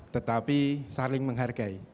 tetapi saling menghargai